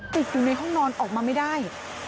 ติดอยู่ในห้องนอนออกมาไม่ได้